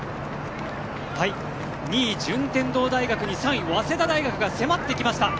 ２位、順天堂大学に３位の早稲田大学が迫ってきました。